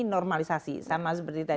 normalisasi sama seperti tadi